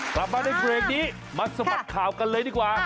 กลับมาในเบรกนี้มาสะบัดข่าวกันเลยดีกว่า